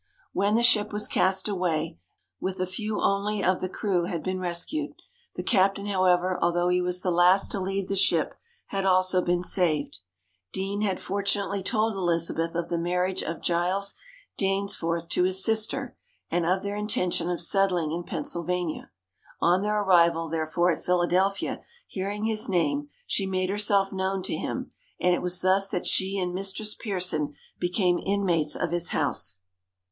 When the ship was cast away, they, with a few only of the crew, had been rescued. The captain, however, although he was the last to leave the ship, had also been saved. Deane had fortunately told Elizabeth of the marriage of Giles Dainsforth to his sister, and of their intention of settling in Pennsylvania. On their arrival, therefore, at Philadelphia, hearing his name, she made herself known to him, and it was thus that she and Mistress Pearson became inmates of his house.